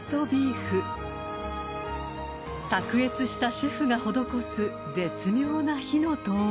［卓越したシェフが施す絶妙な火の通り］